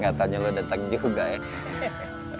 gak tanya lo dateng juga ya